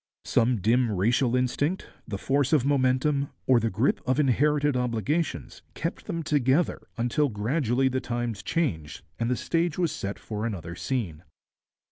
Some dim racial instinct, the force of momentum, or the grip of inherited obligations, kept them together until gradually the times changed and the stage was set for another scene.